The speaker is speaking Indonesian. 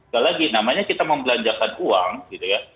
gak lagi namanya kita membelanjakan uang gitu ya